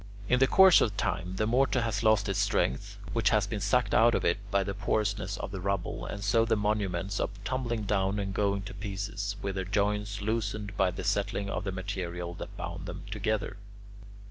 In the course of time, the mortar has lost its strength, which has been sucked out of it by the porousness of the rubble; and so the monuments are tumbling down and going to pieces, with their joints loosened by the settling of the material that bound them together.